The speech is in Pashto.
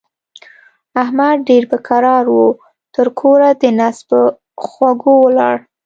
احمد ډېر په کړاو وو؛ تر کوره د نس په خوږو ولاړ.